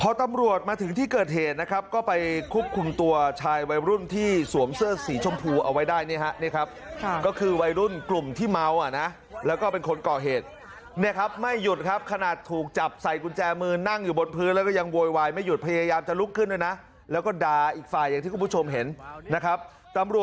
พอตำรวจมาถึงที่เกิดเหตุนะครับก็ไปควบคุมตัวชายวัยรุ่นที่สวมเสื้อสีชมพูเอาไว้ได้นี่ฮะนี่ครับก็คือวัยรุ่นกลุ่มที่เมาอ่ะนะแล้วก็เป็นคนก่อเหตุเนี่ยครับไม่หยุดครับขนาดถูกจับใส่กุญแจมือนั่งอยู่บนพื้นแล้วก็ยังโวยวายไม่หยุดพยายามจะลุกขึ้นด้วยนะแล้วก็ด่าอีกฝ่ายอย่างที่คุณผู้ชมเห็นนะครับตำรวจ